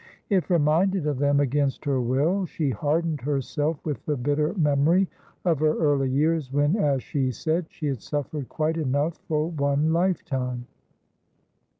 If reminded of them against her will, she hardened herself with the bitter memory of her early years, when, as she said, she had suffered quite enough for one lifetime.